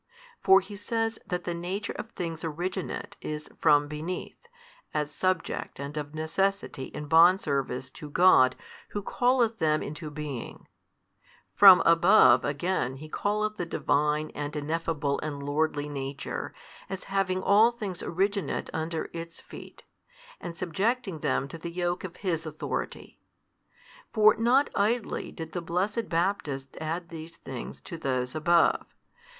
For He says that the nature of things originate is from beneath, as subject and of necessity in bondservice to God Who calleth them into being: from above again He calleth the Divine and Ineffable and Lordly Nature, as having all things originate under Its feet, and subjecting them to the yoke of His Authority. For not idly did the blessed Baptist add these things to, |189 those above.